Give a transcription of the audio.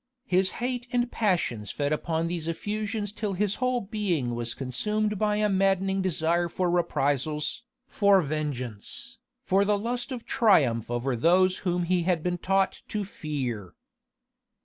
His hate and passions fed upon these effusions till his whole being was consumed by a maddening desire for reprisals, for vengeance for the lust of triumph over those whom he had been taught to fear.